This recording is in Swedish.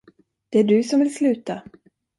Det är du som vill sluta.